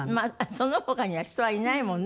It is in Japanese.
その他には人はいないもんね